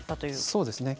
そうですね。